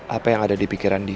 apa yang ada di pikiran dia